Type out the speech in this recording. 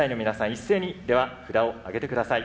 一斉にでは札を上げてください。